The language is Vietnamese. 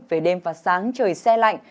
về đêm và sáng trời xe lạnh